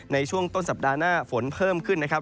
ในช่วงต้นสัปดาห์หน้าฝนเพิ่มขึ้นนะครับ